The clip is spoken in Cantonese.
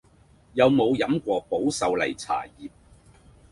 你有無飲過保秀麗茶葉